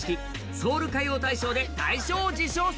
ソウル歌謡大賞で大賞を受賞するなど